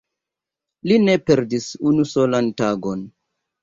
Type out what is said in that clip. li ne perdis unu solan tagon!